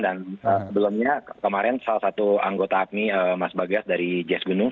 dan sebelumnya kemarin salah satu anggota apmi mas bagas dari jazz gunung